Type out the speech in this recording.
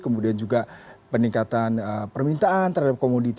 kemudian juga peningkatan permintaan terhadap komoditi